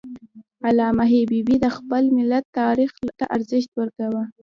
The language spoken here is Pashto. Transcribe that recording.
علامه حبیبي د خپل ملت تاریخ ته ارزښت ورکاوه.